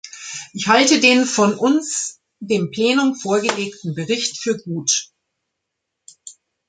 Ich halte den von uns dem Plenum vorgelegten Bericht für gut.